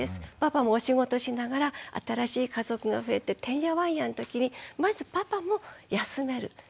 パパもお仕事しながら新しい家族が増えててんやわんやのときにまずパパも休める。